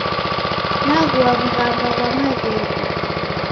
Naghua w'ughanga ghwa maghegho